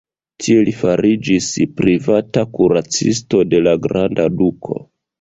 Tie li fariĝis privata kuracisto de la granda duko.